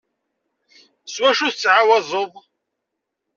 S wacu tettɛawazeḍ?